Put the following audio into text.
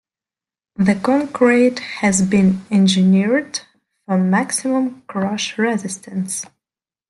The concrete has been engineered for maximum crush resistance.